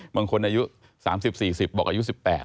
บางคนอายุ๓๐๔๐บอกอายุ๑๘